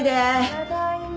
・ただいま。